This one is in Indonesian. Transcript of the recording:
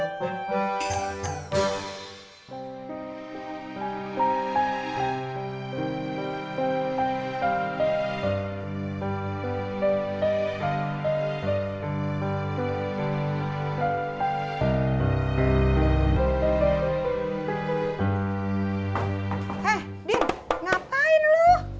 eh din ngapain lu